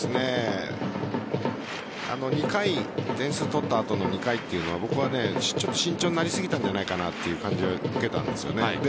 点数取った後の２回というのは僕はちょっと慎重になりすぎたんじゃないかという感じを受けたんです。